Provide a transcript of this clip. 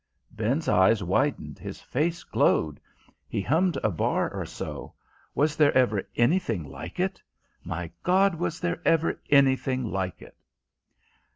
Ben's eyes widened, his face glowed. He hummed a bar or so. "Was there ever anything like it? My God! was there ever anything like it!"